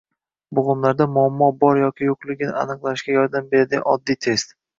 Bo‘g‘imlarda muammo bor yoki yo‘qligini aniqlashga yordam beradigan oddiy test